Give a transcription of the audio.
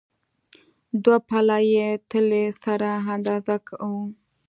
دوه پله یي تلې سره اندازه کوو.